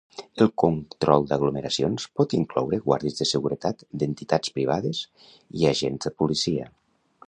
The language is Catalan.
El control d'aglomeracions pot incloure guàrdies de seguretat d"entitats privades i agents de policia.